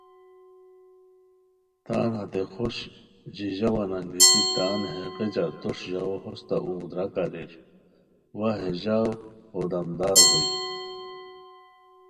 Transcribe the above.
تان ہتے خوش ژیژاووان انگیتی تان ہے غیچہ دوݰ ژاوؤ ہوستہ اوغ داراک اریر وا ہے ژاؤ ہو دمدار ہوئے